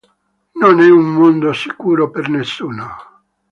Non è un mondo sicuro per nessuno.